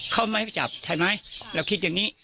เขาไม่ให้จับใช่ไหมเราคิดอย่างนี้